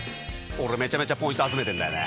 俺めちゃめちゃポイント集めてんだよね。